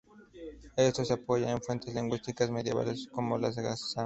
Esto se apoya en fuentes lingüísticas medievales, como las sagas.